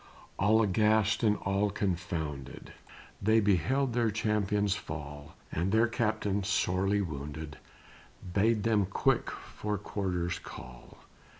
All aghast, and all confounded, They beheld their champions fall, And their captain, sorely wounded, Bade them quick for quarters call.